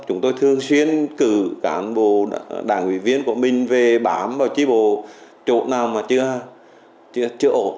chúng tôi thường xuyên cử cản bộ đảng ủy viên của mình về bám tri bộ chỗ nào mà chưa ổ